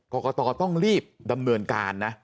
กรกตต้องรีบดำเนินการนะ